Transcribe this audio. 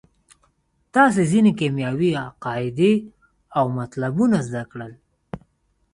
تاسې ځینې کیمیاوي قاعدې او مطلبونه زده کړل.